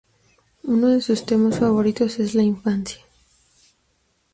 Uno de sus temas favoritos es la infancia.